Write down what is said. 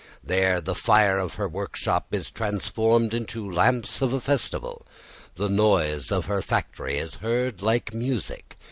There the fire of her workshop is transformed into lamps of a festival, the noise of her factory is heard like music.